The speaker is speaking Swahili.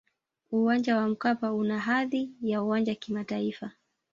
uwanja wa mkapa una hadhi ya uwanja kimataifa